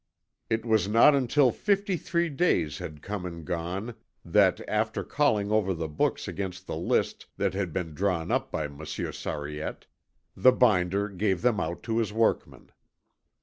It was not until fifty three days had come and gone, that, after calling over the books against the list that had been drawn up by Monsieur Sariette, the binder gave them out to his workmen.